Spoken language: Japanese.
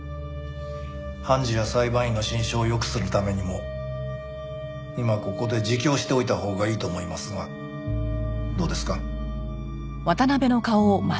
判事や裁判員の心証を良くするためにも今ここで自供しておいたほうがいいと思いますがどうですか？